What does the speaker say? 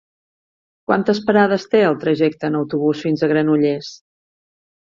Quantes parades té el trajecte en autobús fins a Granollers?